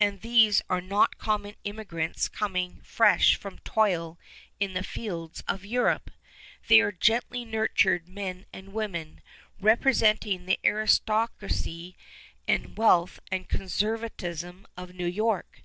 And these are not common immigrants coming fresh from toil in the fields of Europe; they are gently nurtured men and women, representing the aristocracy and wealth and conservatism of New York.